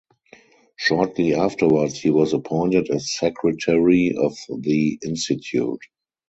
Shortly afterwards he was appointed as secretary of the institute.